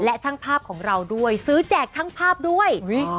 และช่างภาพของเราด้วยซื้อแจกช่างภาพด้วย